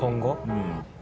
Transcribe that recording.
うん。